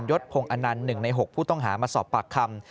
ศพอนันต์๑ใน๖ผู้ต้องหามาสอบปากคำ